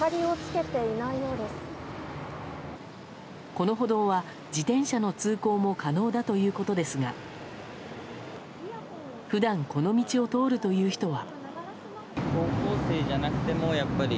この歩道は自転車の通行も可能だということですが普段、この道を通るという人は。